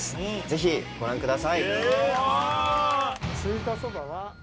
ぜひご覧ください。